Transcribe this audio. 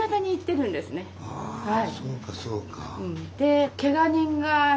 ああそうかそうか。